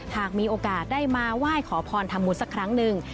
หากมีโอกาสได้มาไหว้ขอพรทำบุญสักครั้งหนึ่ง